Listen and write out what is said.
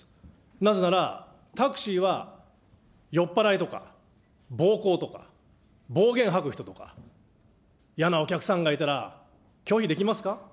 なぜならタクシーは酔っ払いとか暴行とか、暴言はく人とか、嫌なお客さんがいたら、拒否できますか。